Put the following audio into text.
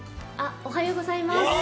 おはようございます。